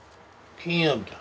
金曜日だ。